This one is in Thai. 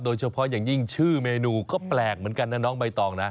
โดยเฉพาะอย่างยิ่งชื่อเมนูก็แปลกเหมือนกันนะน้องใบตองนะ